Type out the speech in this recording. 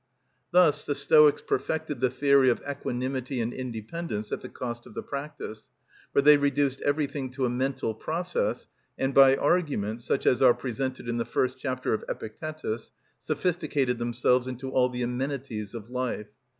Thus the Stoics perfected the theory of equanimity and independence at the cost of the practice, for they reduced everything to a mental process, and by arguments, such as are presented in the first chapter of Epictetus, sophisticated themselves into all the amenities of life.